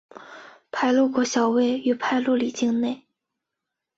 排路国小位于排路里境内。